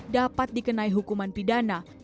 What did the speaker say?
dapat dikenai hukuman pidana